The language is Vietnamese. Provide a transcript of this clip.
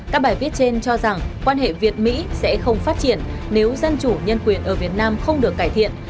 các bài viết trên cho rằng quan hệ việt mỹ sẽ không phát triển nếu dân chủ nhân quyền ở việt nam không được cải thiện